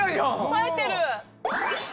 さえてる！